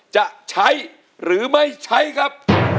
จะใช้หรือไม่ใช้ครับ